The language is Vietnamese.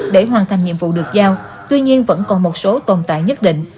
để hoàn thành nhiệm vụ được giao tuy nhiên vẫn còn một số tồn tại nhất định